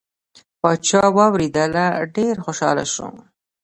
پاچا واورېدله ډیر خوشحال شو.